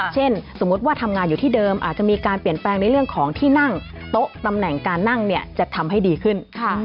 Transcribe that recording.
สมมุติว่าทำงานอยู่ที่เดิมอาจจะมีการเปลี่ยนแปลงในเรื่องของที่นั่งโต๊ะตำแหน่งการนั่งเนี่ยจะทำให้ดีขึ้น